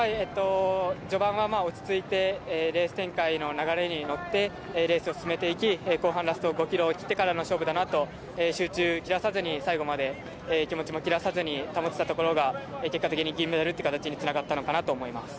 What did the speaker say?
序盤は落ち着いてレース展開の流れに乗ってレースを進めていき、後半ラスト５ｋｍを切ってからの勝負だなと集中を切らさずに、最後まで気持ちも切らさずに保てたところが結果的に銀メダルにつながったのかなと思います。